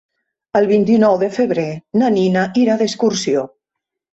El vint-i-nou de febrer na Nina irà d'excursió.